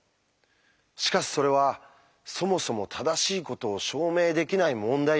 しかしそれはそもそも正しいことを証明できない問題だったんです。